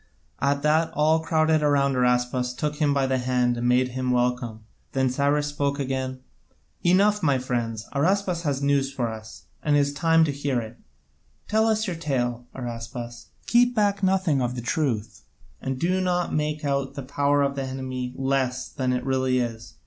At that all crowded round Araspas and took him by the hand and made him welcome. Then Cyrus spoke again: "Enough, my friends, Araspas has news for us, and it is time to hear it. Tell us your tale, Araspas, keep back nothing of the truth, and do not make out the power of the enemy less than it really is.